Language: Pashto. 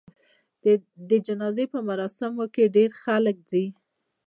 د جنازې په مراسمو کې ډېر خلک ځي.